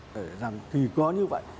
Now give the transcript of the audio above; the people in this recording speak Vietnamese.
để rằng thì có như vậy